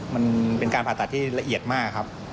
มันเป็นการผ่าตัดที่ละเอียดมากครับ